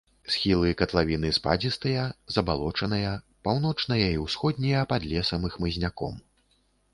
Схілы катлавіны спадзістыя, забалочаныя, паўночныя і ўсходнія пад лесам і хмызняком.